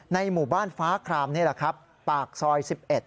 หมู่บ้านฟ้าครามนี่แหละครับปากซอย๑๑